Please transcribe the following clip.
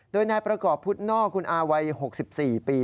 โดยนายประกอบพุทธนอกคุณอาวัย๖๔ปี